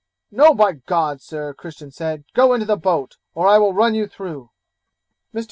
'No, by G d, Sir,' Christian said, 'go into the boat, or I will run you through.' Mr.